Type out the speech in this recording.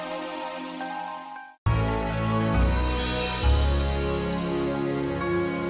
ini emak bukan re rek